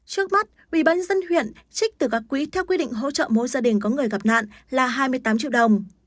trước mắt ubnd huyện trích từ các quý theo quy định hỗ trợ mỗi gia đình có người gặp nạn là hai mươi tám triệu đồng